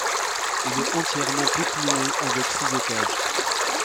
Il est entièrement pipeliné, avec six étages.